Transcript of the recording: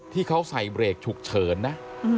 ที่เขาใส่เบรกฉุกเฉินนะ